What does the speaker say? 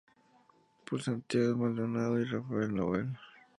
Por Santiago Maldonado y Rafael Nahuel.